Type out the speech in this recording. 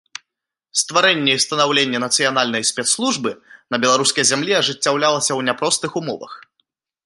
Стварэнне і станаўленне нацыянальнай спецслужбы на беларускай зямлі ажыццяўлялася ў няпростых умовах.